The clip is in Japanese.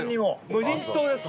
無人島です